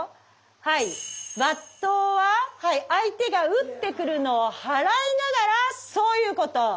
はい抜刀は相手が打ってくるのを払いながらそういうこと。